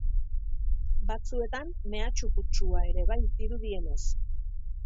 Batzuetan, mehatxu-kutsua ere bai, dirudienez.